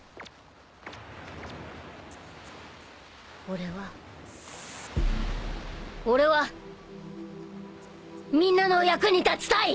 俺は俺はみんなの役に立ちたい